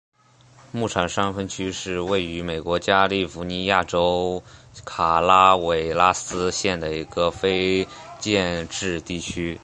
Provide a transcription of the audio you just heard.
牧场山分区是位于美国加利福尼亚州卡拉韦拉斯县的一个非建制地区。